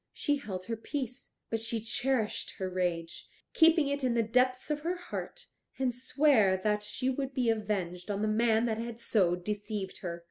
She held her peace, but she cherished her rage, keeping it in the depths of her heart, and sware that she would be avenged on the man that had so deceived her.